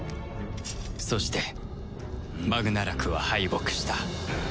そしてバグナラクは敗北した。